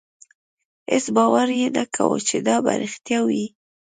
هېڅ باور یې نه کاوه چې دا به رښتیا وي.